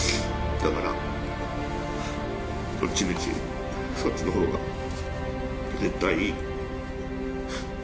だからどっちみちそっちのほうが絶対いい。